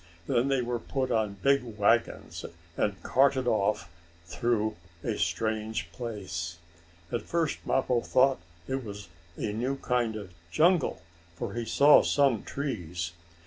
Then they were put on big wagons and carted off through a strange place. At first Mappo thought it was a new kind of jungle, for he saw some trees.